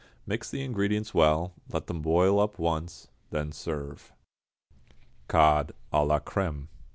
Mix the ingredients well, let them boil up once, then serve. =Cod, à la Crème.